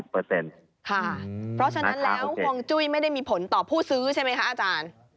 เพราะฉะนั้นแล้วห่วงจุ้ยไม่ได้มีผลต่อผู้ซื้อใช่ไหมคะอาจารย์